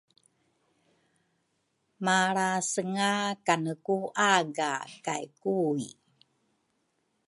malrasenga kane ku aga kay Kui.